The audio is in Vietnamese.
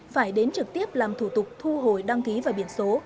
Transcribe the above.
phải đến trực tiếp làm thủ tục thu hồi đăng ký và biển số